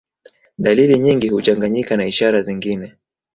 Dalili nyingi huchanganyika na ishara zingine